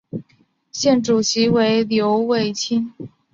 现任主席为刘伟清。